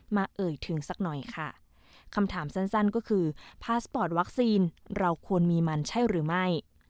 เอ่ยถึงสักหน่อยค่ะคำถามสั้นสั้นก็คือพาสปอร์ตวัคซีนเราควรมีมันใช่หรือไม่